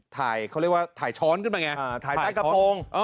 ถ่ายเขาเรียกว่าถ่ายช้อนขึ้นมาไงถ่ายใต้กระโปรง